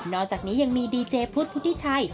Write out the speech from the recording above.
อกจากนี้ยังมีดีเจพุทธพุทธิชัย